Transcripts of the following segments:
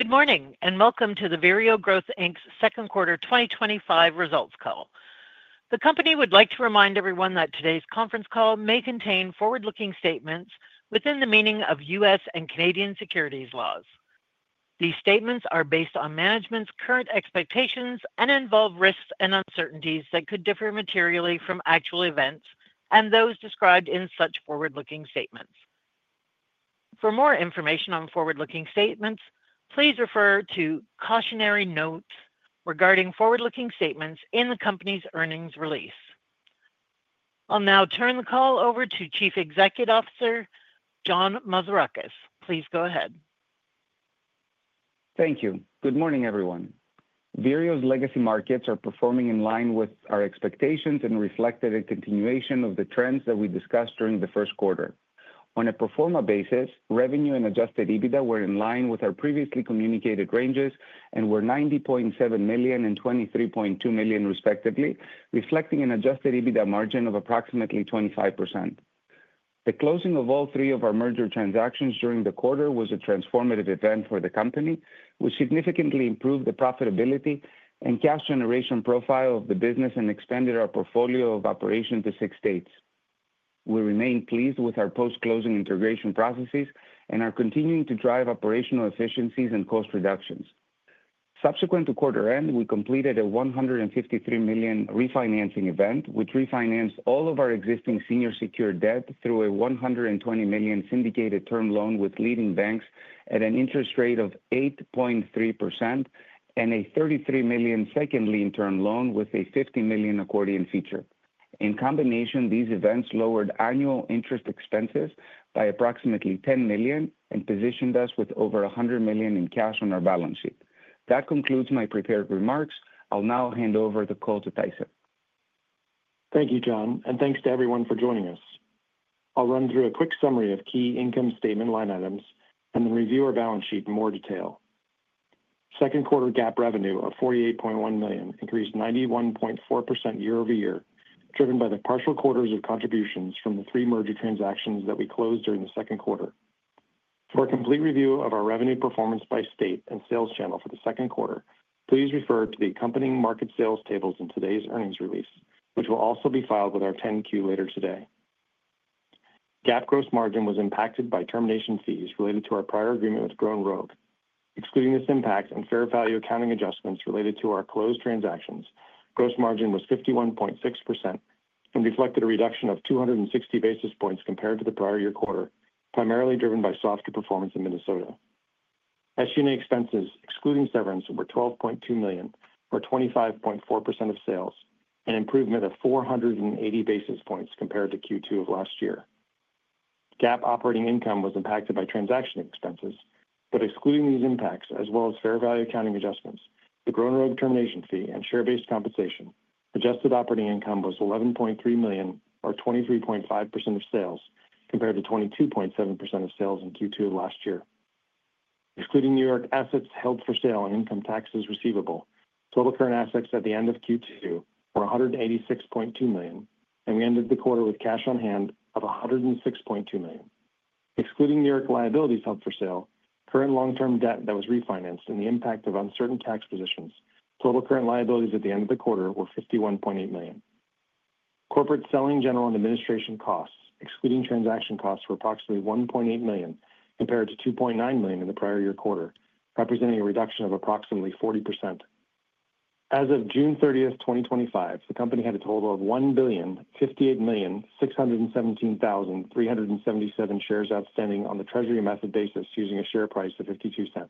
Good morning and welcome to Vireo Growth Inc.'s Second Quarter 2025 Results Call. The company would like to remind everyone that today's conference call may contain forward-looking statements within the meaning of U.S. and Canadian securities laws. These statements are based on management's current expectations and involve risks and uncertainties that could differ materially from actual events and those described in such forward-looking statements. For more information on forward-looking statements, please refer to "Cautionary Note Regarding Forward-Looking Statements in the Company's Earnings Release." I'll now turn the call over to Chief Executive Officer John Mazarakis. Please go ahead. Thank you. Good morning, everyone. Vireo's legacy markets are performing in line with our expectations and reflect a continuation of the trends that we discussed during the first quarter. On a pro forma basis, revenue and adjusted EBITDA were in line with our previously communicated ranges and were $90.7 million and $23.2 million, respectively, reflecting an adjusted EBITDA margin of approximately 25%. The closing of all three of our merger transactions during the quarter was a transformative event for the company, which significantly improved the profitability and cash generation profile of the business and expanded our portfolio of operations to six states. We remain pleased with our post-closing integration processes and are continuing to drive operational efficiencies and cost reductions. Subsequent to quarter end, we completed a $153 million refinancing event, which refinanced all of our existing senior secured debt through a $120 million syndicated term loan with leading banks at an interest rate of 8.3% and a $33 million second lien term loan with a $50 million accordion feature. In combination, these events lowered annual interest expenses by approximately $10 million and positioned us with over $100 million in cash on our balance sheet. That concludes my prepared remarks. I'll now hand over the call to Tyson. Thank you, John, and thanks to everyone for joining us. I'll run through a quick summary of key income statement line items and then review our balance sheet in more detail. Second quarter GAAP revenue of $48.1 million increased 91.4% year-over-year, driven by the partial quarters of contributions from the three merger transactions that we closed during the second quarter. For a complete review of our revenue performance by state and sales channel for the second quarter, please refer to the accompanying market sales tables in today's earnings release, which will also be filed with our 10-Q later today. GAAP gross margin was impacted by termination fees related to our prior agreement with Grow and Rogue. Excluding its impact and fair value accounting adjustments related to our closed transactions, gross margin was 51.6% and reflected a reduction of 260 basis points compared to the prior year quarter, primarily driven by softer performance in Minnesota. SG&A expenses, excluding severance, were $12.2 million, or 25.4% of sales, an improvement of 480 basis points compared to Q2 of last year. GAAP operating income was impacted by transaction expenses, but excluding these impacts, as well as fair value accounting adjustments, the Grow and Rogue termination fee, and share-based compensation, adjusted operating income was $11.3 million, or 23.5% of sales, compared to 22.7% of sales in Q2 of last year. Excluding New York assets held for sale and income taxes receivable, total current assets at the end of Q2 were $186.2 million, and we ended the quarter with cash on hand of $106.2 million. Excluding New York liabilities held for sale, current long-term debt that was refinanced, and the impact of uncertain tax positions, total current liabilities at the end of the quarter were $51.8 million. Corporate selling, general, and administration costs, excluding transaction costs, were approximately $1.8 million, compared to $2.9 million in the prior year quarter, representing a reduction of approximately 40%. As of June 30, 2025, the company had a total of 1,058,617,377 shares outstanding on the Treasury method basis, using a share price of $0.52.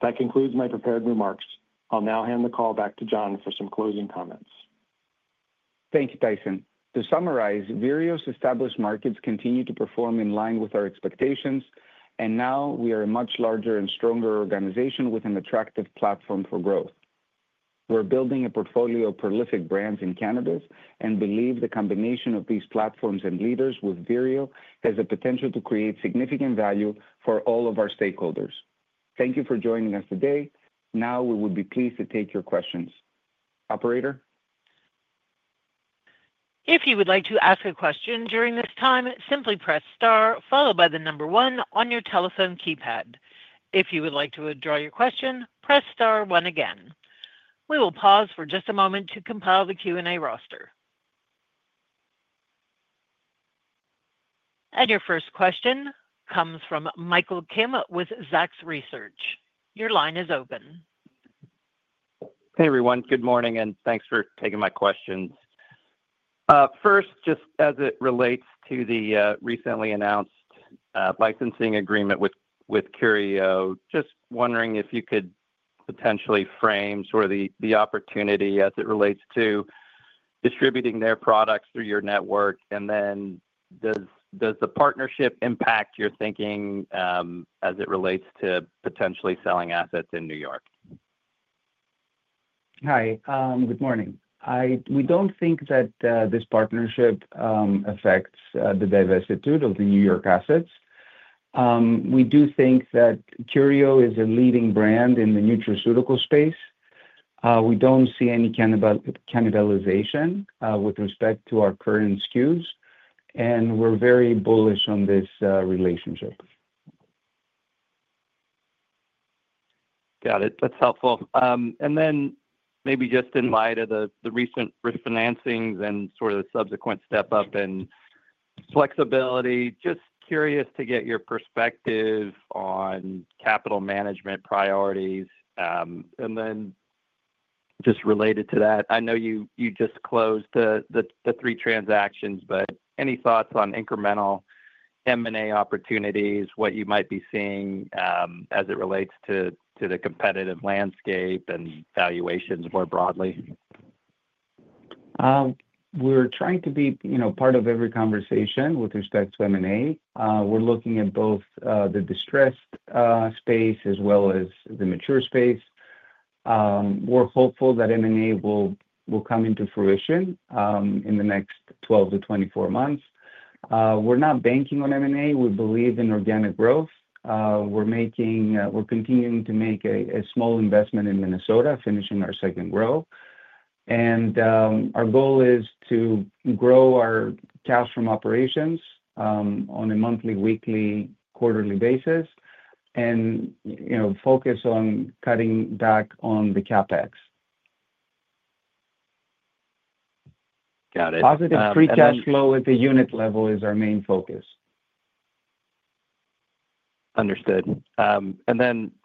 That concludes my prepared remarks. I'll now hand the call back to John for some closing comments. Thank you, Tyson. To summarize, Vireo's established markets continue to perform in line with our expectations, and now we are a much larger and stronger organization with an attractive platform for growth. We're building a portfolio of prolific brands and candidates and believe the combination of these platforms and leaders with Vireo has the potential to create significant value for all of our stakeholders. Thank you for joining us today. Now, we would be pleased to take your questions. Operator? If you would like to ask a question during this time, simply press star, followed by the number one on your telephone keypad. If you would like to withdraw your question, press star one again. We will pause for just a moment to compile the Q&A roster. Your first question comes from Michael Kim with Zacks Research. Your line is open. Hey, everyone. Good morning and thanks for taking my questions. First, just as it relates to the recently announced licensing agreement with Curio, just wondering if you could potentially frame sort of the opportunity as it relates to distributing their products through your network. Does the partnership impact your thinking as it relates to potentially selling assets in New York? Hi. Good morning. We don't think that this partnership affects the diversity of the New York assets. We do think that Curio is a leading brand in the nutraceutical space. We don't see any cannibalization with respect to our current SKUs, and we're very bullish on this relationship. Got it. That's helpful. Maybe just in light of the recent refinancings and sort of the subsequent step-up and flexibility, just curious to get your perspective on capital management priorities. Just related to that, I know you just closed the three transactions, but any thoughts on incremental M&A opportunities, what you might be seeing as it relates to the competitive landscape and valuations more broadly? We're trying to be part of every conversation with respect to M&A. We're looking at both the distressed space as well as the mature space. We're hopeful that M&A will come into fruition in the next 12-24 months. We're not banking on M&A. We believe in organic growth. We're continuing to make a small investment in Minnesota, finishing our second growth. Our goal is to grow our cash from operations on a monthly, weekly, quarterly basis and focus on cutting back on the CapEx costs. Got it. Positive free cash flow at the unit level is our main focus. Understood.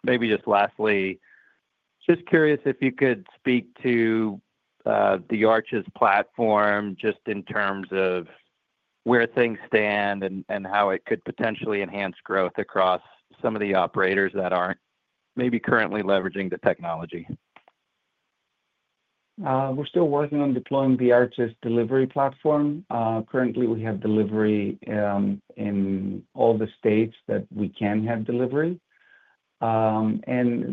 Maybe just lastly, just curious if you could speak to the Arches platform just in terms of where things stand and how it could potentially enhance growth across some of the operators that aren't maybe currently leveraging the technology. We're still working on deploying the Arches delivery platform. Currently, we have delivery in all the states that we can have delivery.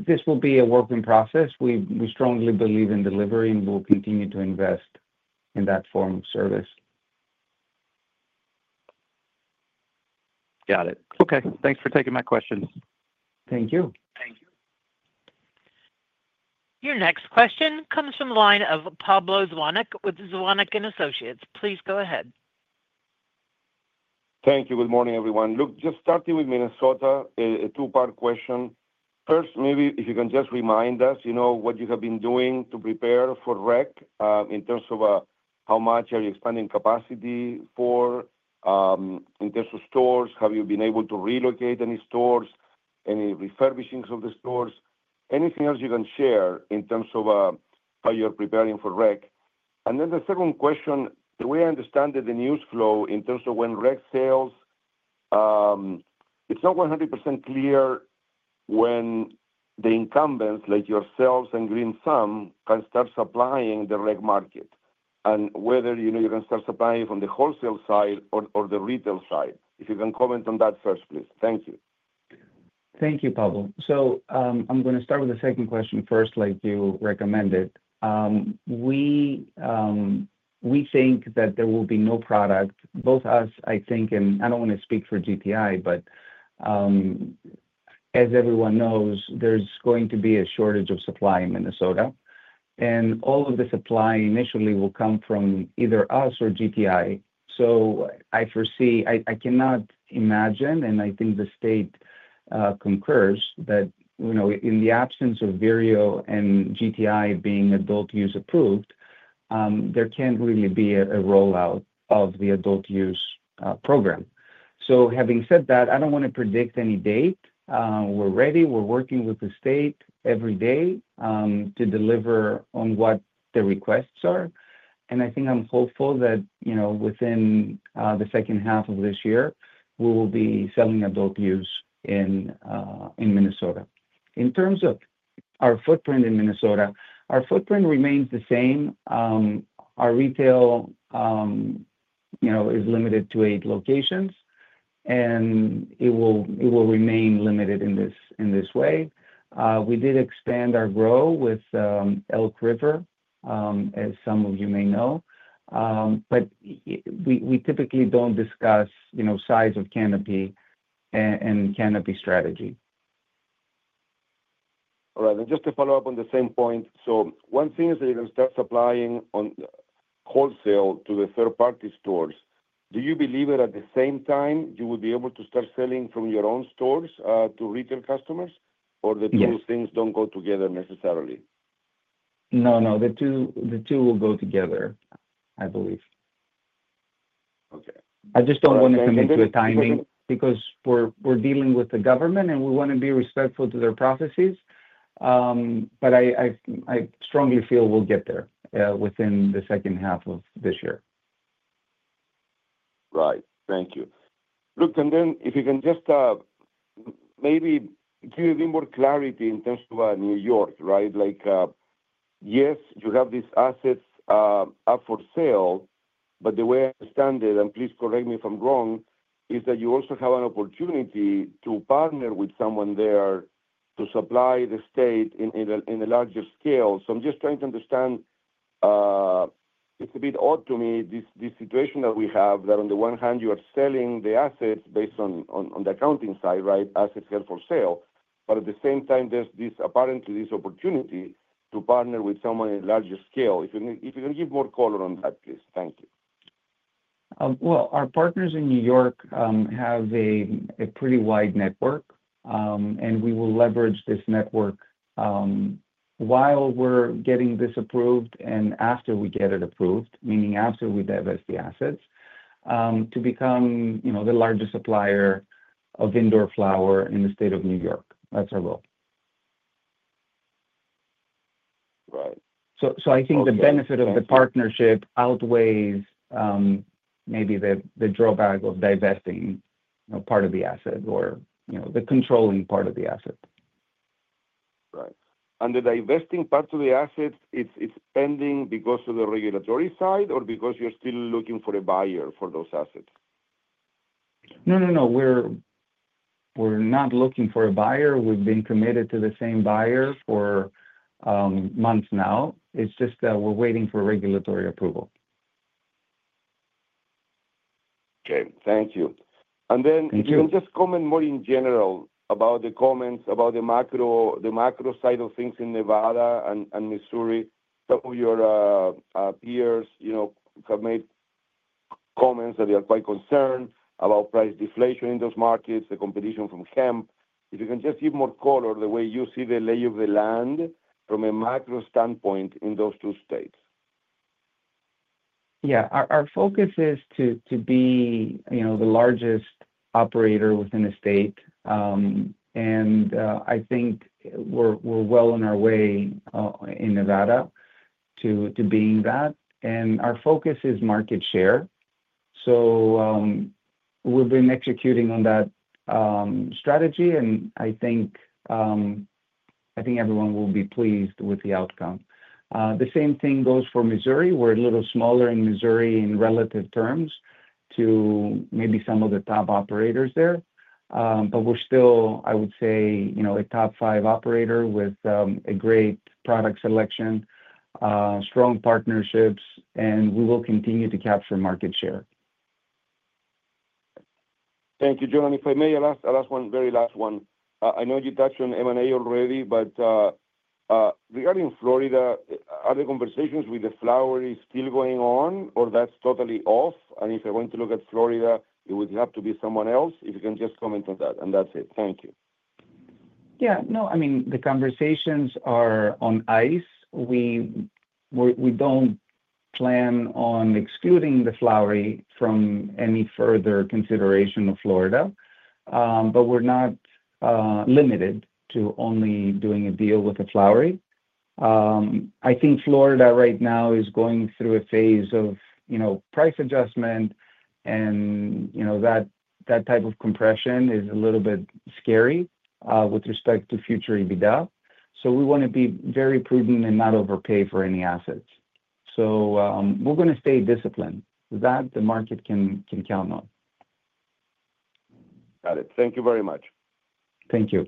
This will be a work in process. We strongly believe in delivery and will continue to invest in that form of service. Got it. Okay, thanks for taking my questions. Thank you. Your next question comes from the line of Pablo Zuanic with Zuanic & Associates. Please go ahead. Thank you. Good morning, everyone. Just starting with Minnesota, a two-part question. First, maybe if you can just remind us what you have been doing to prepare for REC in terms of how much are you expanding capacity for? In terms of stores, have you been able to relocate any stores, any refurbishings of the stores? Anything else you can share in terms of how you're preparing for REC? The second question, the way I understand it, the news flow in terms of when REC sales, it's not 100% clear when the incumbents like yourselves and Green Thumb can start supplying the REC market and whether you can start supplying it from the wholesale side or the retail side. If you can comment on that first, please. Thank you. Thank you, Pablo. I'm going to start with the second question first, like you recommended. We think that there will be no product. Both us, I think, and I don't want to speak for GTI, but as everyone knows, there's going to be a shortage of supply in Minnesota. All of the supply initially will come from either us or GTI. I foresee, I cannot imagine, and I think the state concurs that, you know, in the absence of Vireo and GTI being adult-use approved, there can't really be a rollout of the adult-use program. Having said that, I don't want to predict any date. We're ready. We're working with the state every day to deliver on what the requests are. I think I'm hopeful that, you know, within the second half of this year, we will be selling adult-use in Minnesota. In terms of our footprint in Minnesota, our footprint remains the same. Our retail, you know, is limited to eight locations, and it will remain limited in this way. We did expand our grow with Elk River, as some of you may know. We typically don't discuss, you know, size of canopy and canopy strategy. All right. Just to follow up on the same point, one thing is that you can start supplying on wholesale to the third-party stores. Do you believe that at the same time you would be able to start selling from your own stores to retail customers, or the two things don't go together necessarily? The two will go together, I believe. I just don't want to commit to the timing because we're dealing with the government, and we want to be respectful to their processes. I strongly feel we'll get there within the second half of this year. Right. Thank you. Look, if you can just maybe give me more clarity in terms of New York, right? Yes, you have these assets up for sale, but the way I understand it, and please correct me if I'm wrong, is that you also have an opportunity to partner with someone there to supply the state in a larger scale. I'm just trying to understand. It's a bit odd to me, this situation that we have, that on the one hand, you are selling the assets based on the accounting side, right? Assets held for sale. At the same time, there's apparently this opportunity to partner with someone at a larger scale. If you can give more color on that, please. Thank you. Our partners in New York have a pretty wide network, and we will leverage this network while we're getting this approved and after we get it approved, meaning after we divest the assets, to become, you know, the largest supplier of indoor flower in the state of New York. That's our goal. Right. I think the benefit of the partnership outweighs maybe the drawback of divesting part of the asset or, you know, the controlling part of the asset. Right. The divesting part of the asset, it's pending because of the regulatory side or because you're still looking for a buyer for those assets? No, no, no. We're not looking for a buyer. We've been committed to the same buyer for months now. It's just that we're waiting for regulatory approval. Okay. Thank you. If you can just comment more in general about the comments about the macro side of things in Nevada and Missouri, some of your peers, you know, have made comments that they are quite concerned about price deflation in those markets, the competition from hemp. If you can just give more color the way you see the lay of the land from a macro standpoint in those two states. Yeah. Our focus is to be, you know, the largest operator within the state. I think we're well on our way in Nevada to being that. Our focus is market share. We've been executing on that strategy, and I think everyone will be pleased with the outcome. The same thing goes for Missouri. We're a little smaller in Missouri in relative terms to maybe some of the top operators there, but we're still, I would say, you know, a top five operator with a great product selection, strong partnerships, and we will continue to capture market share. Thank you, John. If I may, a last one, very last one. I know you touched on M&A already, but regarding Florida, are the conversations with The Flowery still going on, or is that totally off? If I want to look at Florida, it would have to be someone else. If you can just comment on that, and that's it. Thank you. Yeah. No, I mean, the conversations are on ice. We don't plan on excluding The Flowery from any further consideration of Florida, but we're not limited to only doing a deal with The Flowery. I think Florida right now is going through a phase of, you know, price adjustment, and that type of compression is a little bit scary with respect to future EBITDA. We want to be very prudent and not overpay for any assets. We're going to stay disciplined. That the market can count on. Got it. Thank you very much. Thank you.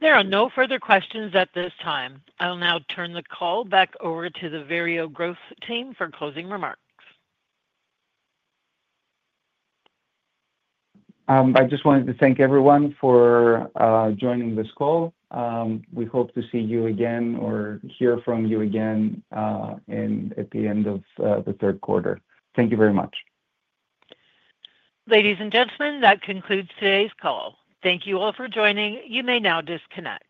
There are no further questions at this time. I'll now turn the call back over to the Vireo Growth team for closing remarks. I just wanted to thank everyone for joining this call. We hope to see you again or hear from you again at the end of the third quarter. Thank you very much. Ladies and gentlemen, that concludes today's call. Thank you all for joining. You may now disconnect.